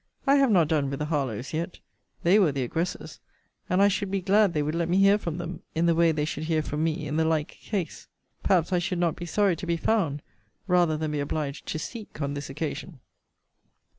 I have not done with the Harlowes yet. They were the aggressors; and I should be glad they would let me hear from them, in the way they should hear from me in the like case. Perhaps I should not be sorry to be found, rather than be obliged to seek, on this occasion.